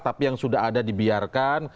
tapi yang sudah ada dibiarkan